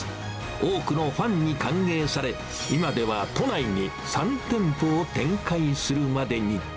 多くのファンに歓迎され、今では都内に３店舗を展開するまでに。